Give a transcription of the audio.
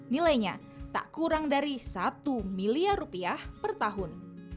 nilainya tak kurang dari satu miliar rupiah per tahun